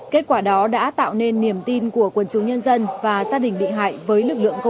kết quả đó đã tạo nên niềm tin của quân chủ nhân dân và gia đình bị hại